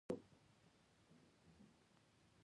په افغانستان کې د ځمکني شکل تاریخ خورا ډېر اوږد دی.